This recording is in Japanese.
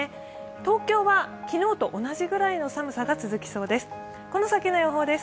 東京は昨日と同じくらいの寒さが続きそうです。